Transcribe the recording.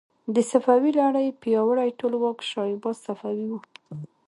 د صفوي لړۍ پیاوړی ټولواک شاه عباس صفوي و.